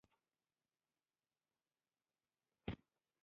د کښېنستلو اجازه ورکړه.